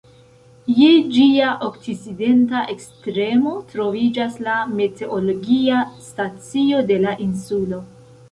Je ĝia okcidenta ekstremo troviĝas la meteologia stacio de la insulo.